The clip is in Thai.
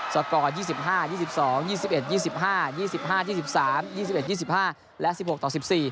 สกอร์๒๕๒๒๒๑๒๕๒๕๒๓๒๑๒๕และ๑๖ต่อ๑๔